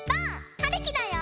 はるきだよ！